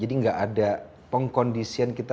jadi nggak ada pengkondisian kita